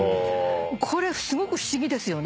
これすごく不思議ですよね。